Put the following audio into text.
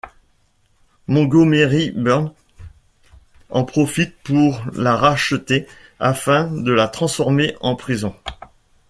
Montgomery Burns en profite pour la racheter afin de la transformer en prison.